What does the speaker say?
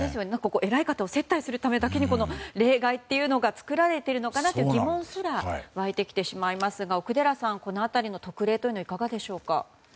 偉い方を接待するためだけに例外っていうのが作られてるのかなって疑問すらわいてきてしまいますが奥寺さん、この辺りの特例はいかがでしょうか。